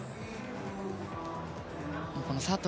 佐藤